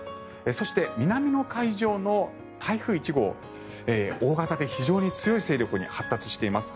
そして、南の海上の台風１号大型で非常に強い勢力に発達しています。